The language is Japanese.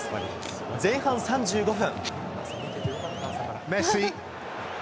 前半３５分。